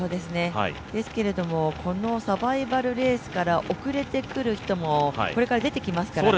ですけれども、このサバイバルレースから遅れてくる人もこれから出てきますからね。